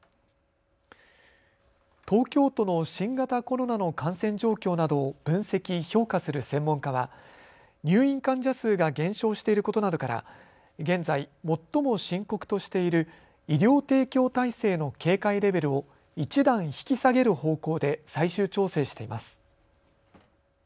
東京都の新型コロナの感染状況などを分析・評価する専門家は入院患者数が減少していることなどから現在最も深刻としている医療提供体制の警戒レベルを１段引き下げる方向で最終調整しています。